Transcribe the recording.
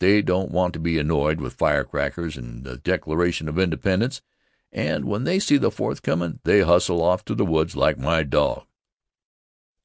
They don't want to be annoyed with firecrackers and the Declaration of Independence, and when they see the Fourth comm' they hustle off to the woods like my dog.